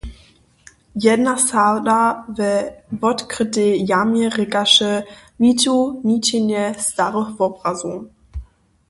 Jedna sada we wotkrytej jamje rěkaše: „Widźu ničenje starych wobrazow.“